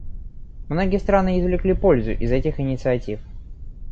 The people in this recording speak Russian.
Многие страны извлекли пользу из этих инициатив.